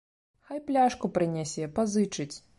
Хай пляшку прынясе, пазычыць.